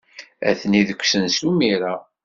Atni deg usensu imir-a.